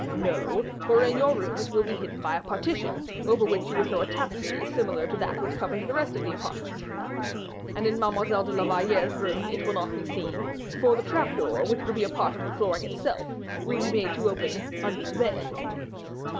"No; for in your room it will be hidden by a partition, over which you will throw a tapestry similar to that which covers the rest of the apartment; and in Mademoiselle de la Valliere's room it will not be seen, for the trapdoor, which will be a part of the flooring itself, will be made to open under the bed."